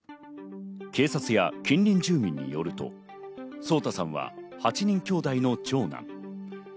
警察や近隣住民によると颯太さんは８人きょうだいの長男。